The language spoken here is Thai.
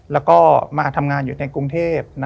แล้วก็มาทำงานอยู่ในกรุงเทพ